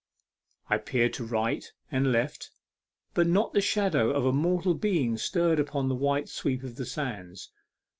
I peered to right and left, but not the shadow of mortal being stirred upon the white sweep of the sands.